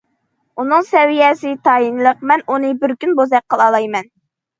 ئۇنىڭ سەۋىيەسى تايىنلىق، مەن ئۇنى بىر كۈن بوزەك قىلالايمەن.